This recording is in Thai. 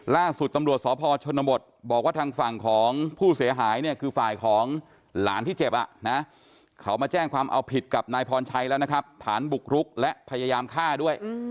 ล่าสุดตำรวจสพชนบทบอกว่าทางฝั่งของผู้เสียหายเนี่ยคือฝ่ายของหลานที่เจ็บเขามาแจ้งความเอาผิดกับนายพรชัยแล้วนะครับฐานบุกรุกและพยายามฆ่าด้วย